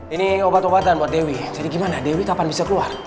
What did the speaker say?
ini obat obatan buat dewi jadi gimana dewi kapan bisa keluar